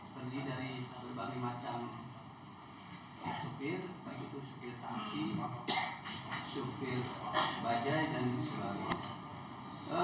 terdiri dari berbagai macam sopir baik itu sopir tansi sopir bajaj dan sebagainya